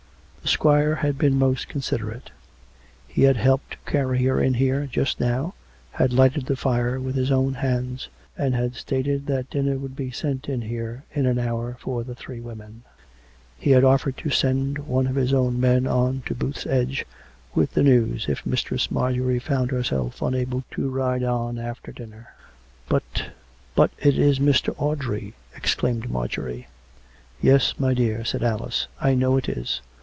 The squire had been most considerate; he had helped to carry her in here just now, had lighted the fire with his own hands, and had stated that dinner would be sent in here in an hour for the three women. He had COME RACK! COME ROPE! 209 offered to send one of his own men on to Booth's Edge with the news, if Mistress Marjorie found herself unable to ride on after dinner. " But ... but it is Mr, Audrey! " exclaimed Marjorie. " Yes, my dear," said Alice. " I know it is.